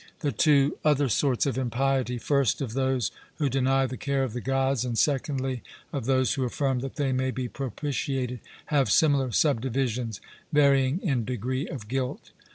The two other sorts of impiety, first of those who deny the care of the Gods, and secondly, of those who affirm that they may be propitiated, have similar subdivisions, varying in degree of guilt.